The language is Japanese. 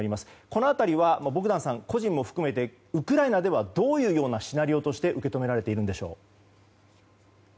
この辺りはボグダンさん個人も含めてウクライナではどういうシナリオとして受け止められているんでしょう。